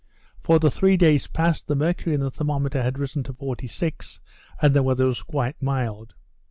For the three days past, the mercury in the thermometer had risen to 46, and the weather was quite mild.